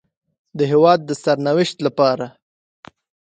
د هېواد د سرنوشت لپاره